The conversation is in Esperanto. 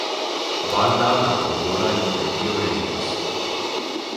Baldaŭ la Mogola Imperio regis.